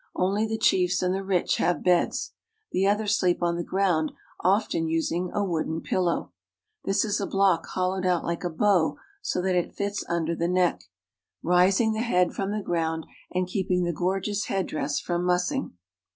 Only the chiefs and the rich have beds. The others sleep on the ground, often using a wooden pillow. This is a block hollowed out like a bow so that it fits under the neck, rais ng the head f cm the ground and keeping the gorgeous head Wooden pillow. dress from mussing.